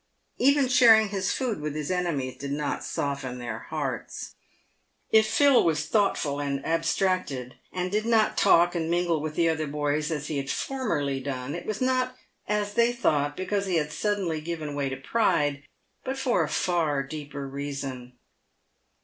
Even sharing his food with his enemies did not soften their hearts. If Phil was thoughtful and abstracted, and did not talk and mingle with the other boys as he had formerly done, it was not, as they thought, because he had suddenly given way to pride, but for a far deeper reason.